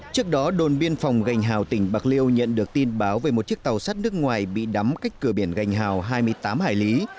trước đó đồn biên phòng gành hào tỉnh bạc liêu nhận được tin báo về một chiếc tàu sắt nước ngoài bị đắm cách cửa biển gành hào hai mươi tám hải lý